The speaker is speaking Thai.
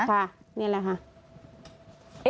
ค่ะนี่แหละค่ะ